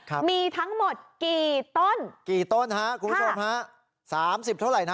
ครับมีทั้งหมดกี่ต้นกี่ต้นฮะคุณผู้ชมฮะสามสิบเท่าไหร่นะ